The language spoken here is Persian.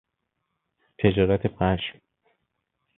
تجارت پشم